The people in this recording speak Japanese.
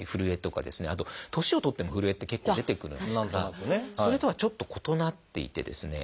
あと年を取ってもふるえって結構出てくるんですがそれとはちょっと異なっていてですね